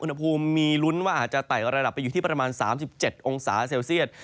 อุณหภูมิมีลุ้นว่าอาจจะไต่ระดับไปอยู่ที่ประมาณ๓๗องศาเซลเซียต